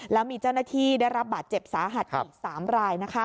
แล้วมีเจ้าหน้าที่ได้รับบาดเจ็บสาหัสอีก๓ราย